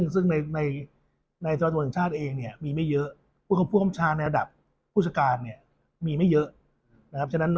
ซึ่งในธรรมชาติเองเนี่ยมีไม่เยอะผู้คำชาในระดับผู้ชการเนี่ยมีไม่เยอะ